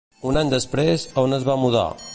Un any després, a on es va mudar?